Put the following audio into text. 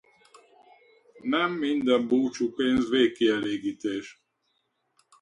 Nem minden búcsúpénz végkielégítés.